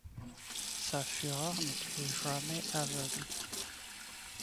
Sa fureur n’était jamais aveugle.